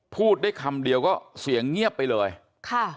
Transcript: พูดได้คำเดียวก็เสียงเงียบไปเลยค่ะ